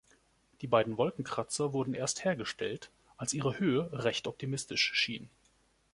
Die beiden Wolkenkratzer wurden erst hergestellt, als ihre Höhe recht optimistisch schien.